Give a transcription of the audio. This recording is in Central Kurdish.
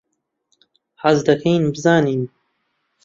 حەز دەکەین بزانین.